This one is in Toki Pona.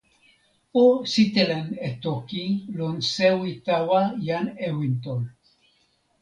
o sitelen e toki lon sewi tawa jan Ewinton.